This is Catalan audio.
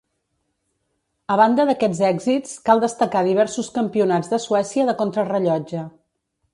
A banda d'aquests èxits cal destacar diversos campionats de Suècia de contrarellotge.